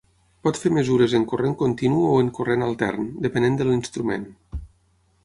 Pot fer mesures en corrent continu o en corrent altern, depenent de l'instrument.